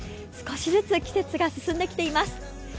少しずつ、季節が進んできています。